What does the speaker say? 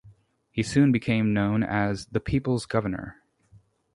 He soon became known as 'the people's Governor'.